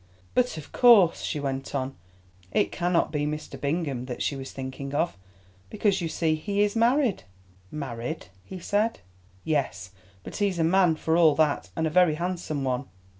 "But of course," she went on, "it cannot be Mr. Bingham that she was thinking of, because you see he is married." "Married?" he said, "yes, but he's a man for all that, and a very handsome one."